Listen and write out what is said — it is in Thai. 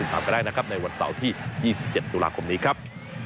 ตามก็ได้นะครับในวันเสาร์ที่๒๗ตุลาคมนี้ครับ